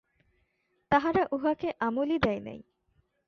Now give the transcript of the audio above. তাহারা উহাকে আমলই দেয় নাই।